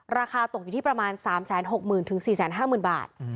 ราคาตกอยู่ที่ประมาณ๓๖๐๐๐๔๕๐๐๐บาท